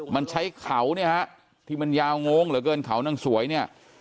มันใช้เขาเนี่ยฮะที่มันยาวงเหลือเกินเขานางสวยเนี่ย